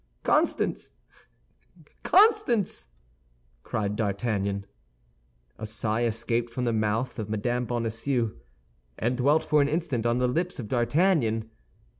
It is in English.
"Constance, Constance!" cried D'Artagnan. A sigh escaped from the mouth of Mme. Bonacieux, and dwelt for an instant on the lips of D'Artagnan.